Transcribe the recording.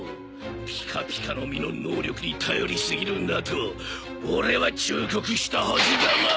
ピカピカの実の能力に頼り過ぎるなと俺は忠告したはずだが。